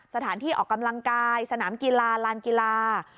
สถานที่ออกกำลังกายสนามกีฬาลานกีฬา